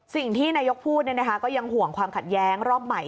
สิ่งที่นายกพูดก็ยังห่วงความขัดแย้งรอบใหม่